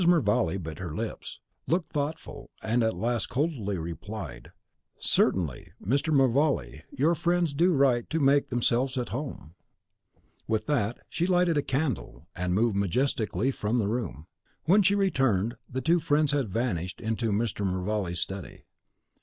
Mervale bit her lips, looked thoughtful, and at last coldly replied, "Certainly, Mr. Mervale; your friends do right to make themselves at home." With that she lighted a candle, and moved majestically from the room. When she returned, the two friends had vanished into Mr. Mervale's study.